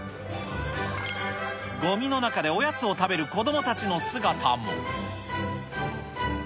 ごみの中でおやつを食べる子どもたちの姿も。